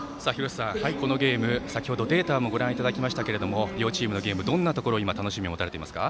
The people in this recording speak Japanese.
このゲーム、先ほどデータもご覧いただきましたけど両チームのゲームどんなところ今楽しみをもたれていますか。